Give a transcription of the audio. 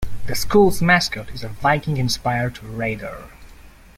The school's mascot is a Viking-inspired "Raider".